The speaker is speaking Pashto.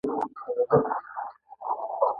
روښانه ده چې د دې پوښتنې ځواب نه دی